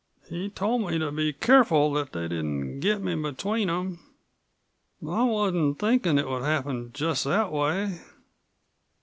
He told me to be careful that they didn't get me between them. But I wasn't thinkin' that it would happen just that way."